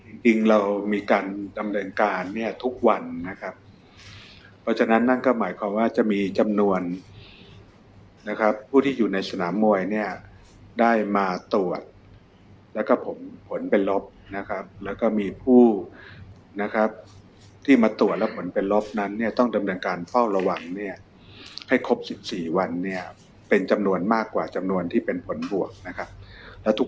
จริงจริงเรามีการดำเนินการเนี่ยทุกวันนะครับเพราะฉะนั้นนั่นก็หมายความว่าจะมีจำนวนนะครับผู้ที่อยู่ในสนามมวยเนี่ยได้มาตรวจแล้วก็ผลผลเป็นลบนะครับแล้วก็มีผู้นะครับที่มาตรวจแล้วผลเป็นลบนั้นเนี่ยต้องดำเนินการเฝ้าระวังเนี่ยให้ครบสิบสี่วันเนี่ยเป็นจำนวนมากกว่าจำนวนที่เป็นผลบวกนะครับแล้วทุก